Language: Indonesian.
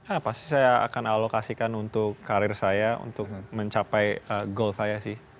ah pasti saya akan alokasikan untuk karir saya untuk mencapai goal saya sih